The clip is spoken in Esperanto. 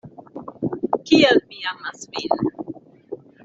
Kiel mi amas vin!